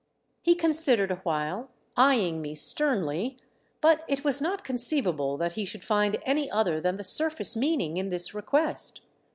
He considered awhile, eyeing me sternly ; but it was not conceivable that he should find any other than the surface meaning in this request.